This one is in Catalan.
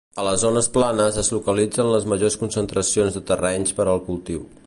A les zones planes es localitzen les majors concentracions de terrenys per al cultiu.